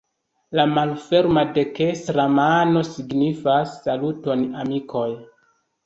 La malferma dekstra mano signifas "Saluton amikoj!